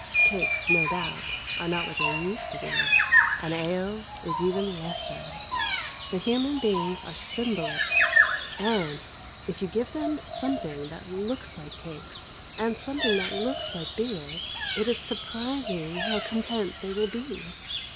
Cakes, no doubt, are not what they used to be, and ale is even less so. But human beings are symbolists, and, if you give them something that looks like cakes and something that looks like beer, it is surprising how content they will be.